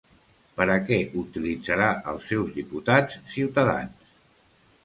Per a què utilitzarà els seus diputats Ciutadans?